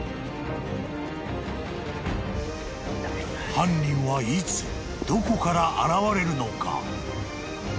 ［犯人はいつどこから現れるのか？］